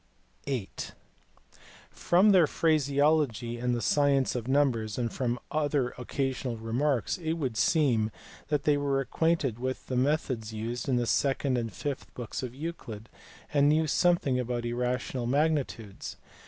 (viii) From their phraseology in the science of numbers and from other occasional remarks it would seem that they were acquainted with the methods used in the second and fifth books of Euclid, and knew something of irrational magnitudes.